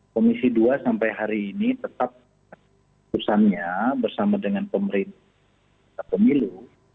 komisi dua sampai hari ini tetap keputusannya bersama dengan pemilu